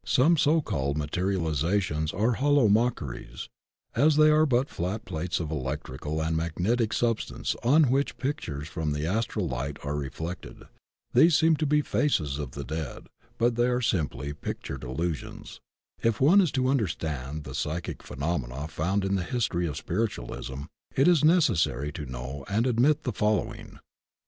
Some so called materializations are hollow mockeries, as they are but flat plates of electrical and magnetic substance on which pictures from the Astral Li^t are reflected. These seem to be the faces of the dead, but they are simply pictured illusions. If one is to understand the psychic phenomena found in the history of "spiritualism" it is necessary to know and admit the following: I.